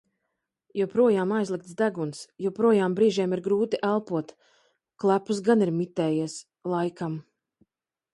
Joprojām aizlikts deguns, joprojām brīžiem ir grūti elpot. klepus gan ir mitējies. laikam.